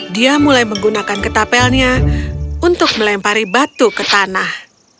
dia mulai menggunakan ketapelnya untuk melempari batu ke tanah